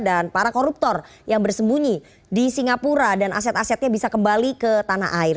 dan para koruptor yang bersembunyi di singapura dan aset asetnya bisa kembali ke tanah air